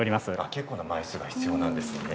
結構な枚数が必要なんですね。